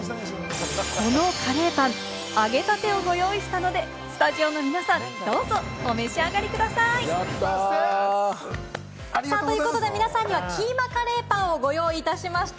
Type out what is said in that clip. このカレーパン、揚げたてをご用意したので、スタジオの皆さん、どうぞお召し上がりください！ということで、皆さんにはキーマカレーパンをご用意しました。